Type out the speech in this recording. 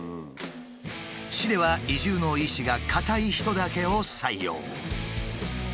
市では移住の意志が固い人だけを採用。